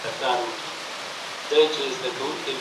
حکومت باید د غریبانو په غم کي وي.